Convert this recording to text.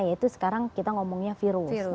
yaitu sekarang kita ngomongnya virus